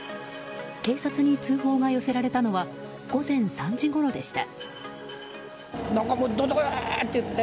警察に通報が寄せられたのは午前３時ごろでした。